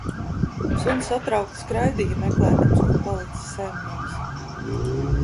Suns satraukti skraidīja, meklēdams, kur palicis saimnieks